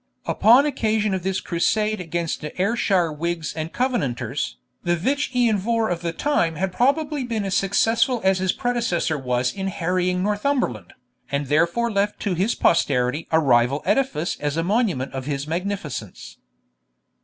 Upon occasion of this crusade against the Ayrshire Whigs and Covenanters, the Vich Ian Vohr of the time had probably been as successful as his predecessor was in harrying Northumberland, and therefore left to his posterity a rival edifice as a monument of his magnificence.